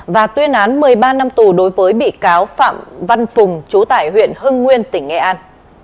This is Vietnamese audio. và tuyên án một mươi ba năm tù đối với bị cáo phạm văn phùng chú tại huyện hưng nguyên tỉnh nghệ an